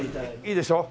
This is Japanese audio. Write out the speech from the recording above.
いいでしょ。